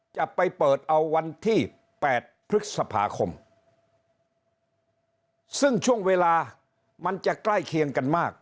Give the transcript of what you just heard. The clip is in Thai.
จะไปเปิดเอาวันที่แปดพฤษภาคมซึ่งช่วงเวลามันจะใกล้เคียงกันมาก